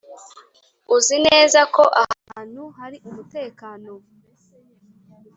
uzi neza ko aha hantu hari umutekano?